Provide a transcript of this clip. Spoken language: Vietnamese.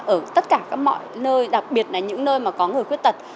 ở tất cả các mọi nơi đặc biệt là những nơi mà có người khuyết tật